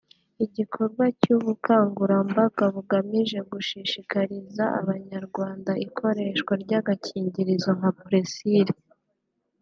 Igikorwa cy’ubukangurambaga bugamije gushishikariza Abanyarwanda ikoreshwa ry’agakingirizo ka Plaisir